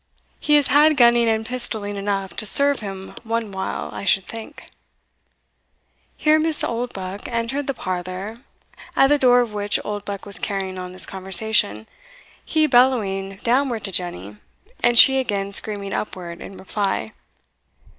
He has had gunning and pistolling enough to serve him one while, I should think." Here Miss Oldbuck entered the parlour, at the door of which Oldbuck was carrying on this conversation, he bellowing downward to Jenny, and she again screaming upward in reply.